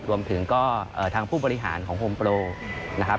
รวมถึงก็ทางผู้บริหารของโฮมโปรนะครับ